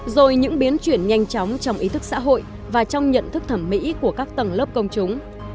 rồi những biến chuyển nhanh chóng trong ý thức xã hội và trong nhận thức thẩm mỹ của các tầng lớp công chúng